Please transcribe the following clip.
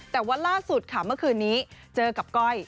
แต่ว่าล่าสุดค่ะเมื่อคืนนี้เจอกับก้อย